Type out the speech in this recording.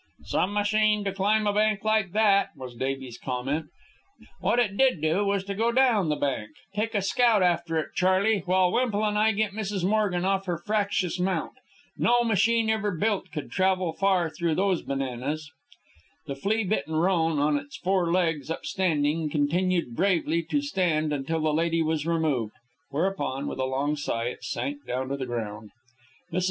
"Some machine to climb a bank like that," was Davies' comment. "What it did do was to go down the bank take a scout after it, Charley, while Wemple and I get Mrs. Morgan off her fractious mount. No machine ever built could travel far through those bananas." The flea bitten roan, on its four legs upstanding, continued bravely to stand until the lady was removed, whereupon, with a long sigh, it sank down on the ground. Mrs.